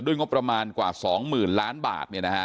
ด้วยงบประมาณกว่า๒๐๐๐๐๐ล้านบาท